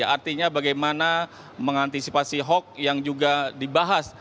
artinya bagaimana mengantisipasi hoax yang juga dibahas